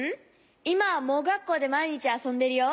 いまは盲学校でまいにちあそんでるよ。